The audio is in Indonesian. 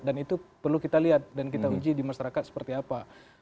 dan itu perlu kita lihat dan kita uji di masyarakat seperti apa